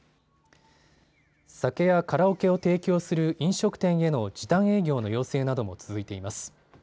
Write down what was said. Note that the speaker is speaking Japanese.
酒やカラオケを提供する飲食店への時短営業の要請なども続いています。